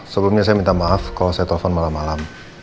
sebelumnya saya minta maaf kalau saya telepon malam malam